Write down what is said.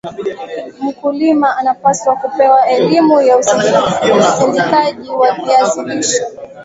mkulima anapaswa kupewa elimu ya usindikaji wa viazi lishe